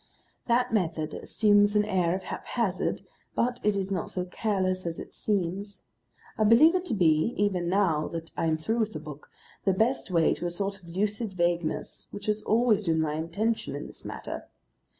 That method assumes an air of haphazard, but it is not so careless as it seems. I believe it to be even now that I am through with the book the best way to a sort of lucid vagueness which has always been my intention in this matter.